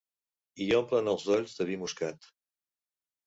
I omplen els dolls de vi moscat.